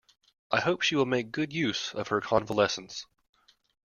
I hope she will make good use of her convalescence.